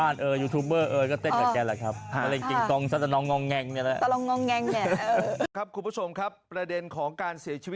ลุ้งลุ้งคนคนไหนเนี่ย